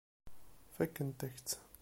Fakkent-ak-tt.